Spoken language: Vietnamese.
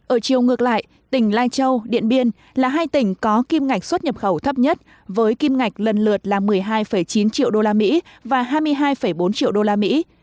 ở chiều ngược lại tỉnh lai châu điện biên là hai tỉnh có kim ngạch xuất nhập khẩu thấp nhất với kim ngạch lần lượt là một mươi hai chín triệu usd và hai mươi hai bốn triệu usd